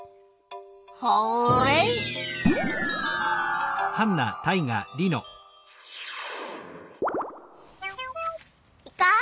ホーレイ！いこう！